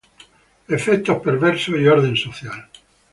Efectos perversos y orden social.